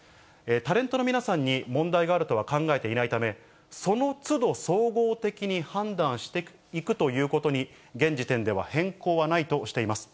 タレントの皆さんに問題があるとは考えていないため、そのつど総合的に判断していくということに現時点では変更はないとしています。